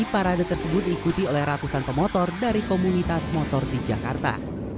parade tersebut diikuti oleh ratusan pemotor dari komunitas motor di jakarta